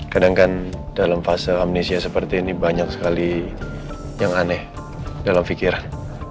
kadang kan dalam fase amnesia seperti ini banyak sekali yang aneh dalam pikiran